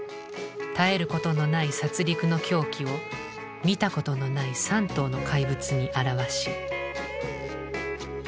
絶えることのない殺りくの狂気を見たことのない３頭の怪物に表し。